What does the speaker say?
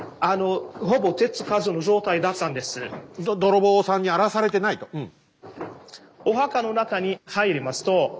泥棒さんに荒らされてないとうん。